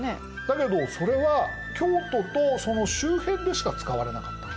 だけどそれは京都とその周辺でしか使われなかった。